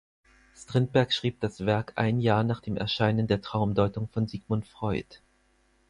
Strindberg schrieb das Werk ein Jahr nach dem Erscheinen der Traumdeutung von Sigmund Freud.